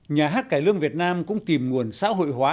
nhà hát cải lương việt nam cũng tìm nguồn xã hội hóa